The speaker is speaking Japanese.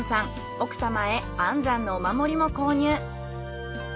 奥様へ安産のお守りも購入。